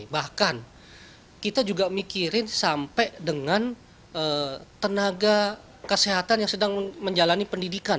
bahkan kita juga mikirin sampai dengan tenaga kesehatan yang sedang menjalani pendidikan